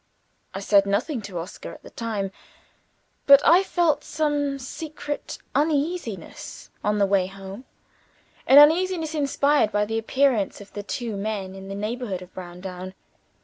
I said nothing to Oscar, at the time, but I felt some secret uneasiness on the way home an uneasiness inspired by the appearance of the two men in the neighborhood of Browndown.